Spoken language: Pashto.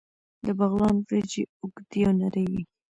د بغلان وریجې اوږدې او نرۍ وي.